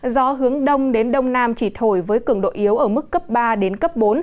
gió hướng đông đến đông nam chỉ thổi với cường độ yếu ở mức cấp ba đến cấp bốn